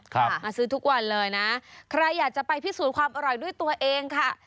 มาซื้อทุกวันเลยนะใครอยากจะไปพิสูจน์ความอร่อยด้วยตัวเองค่ะ